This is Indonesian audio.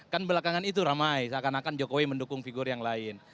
kan belakangan itu ramai seakan akan jokowi mendukung figur yang lain